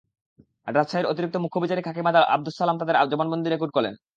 রাজশাহীর অতিরিক্ত মুখ্য বিচারিক হাকিম আবদুস সালাম তাদের জবানবন্দি রেকর্ড করেন।